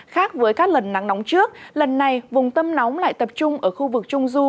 khác với các lần nắng nóng trước lần này vùng tâm nóng lại tập trung ở khu vực trung du